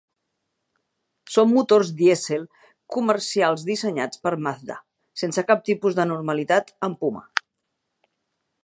Són motors Diesel comercials dissenyats per Mazda sense cap tipus de normalitat amb Puma.